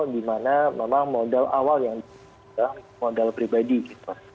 di mana memang modal awal yang modal pribadi gitu